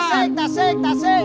tasik tasik tasik